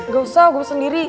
gak usah gue sendiri